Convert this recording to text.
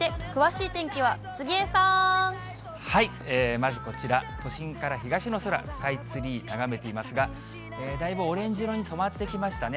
まずこちら、都心から東の空、スカイツリー、眺めていますが、だいぶオレンジ色に染まってきましたね。